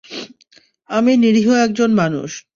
আমি নিরীহ একজন মানুষ।